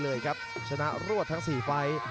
ทุกคนสามารถยินได้